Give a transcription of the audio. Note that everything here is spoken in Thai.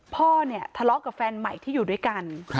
พ่อเนี่ยทะเลาะกับแฟนใหม่ที่อยู่ด้วยกัน